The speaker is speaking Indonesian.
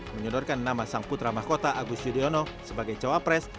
menyodorkan nama sang putra mahkota agus yudhoyono sebagai cawapres